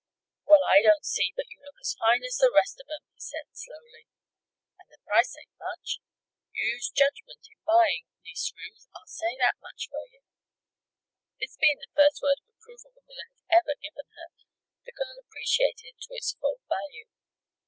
"Well, I don't see but you look as fine as the rest of 'em," he said, slowly. "And the price ain't much. You used judgment in buying, Niece Ruth. I'll say that much for ye." This being the first word of approval the miller had ever given her, the girl appreciated it to its full value.